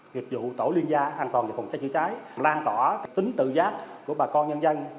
kiệp vụ tổ liên gia an toàn về phòng cháy chữa cháy lan tỏa tính tự giác của bà con nhân dân